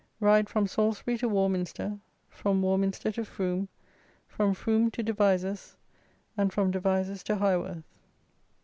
RIDE FROM SALISBURY TO WARMINSTER, FROM WARMINSTER TO FROME, FROM FROME TO DEVIZES, AND FROM DEVIZES TO HIGHWORTH.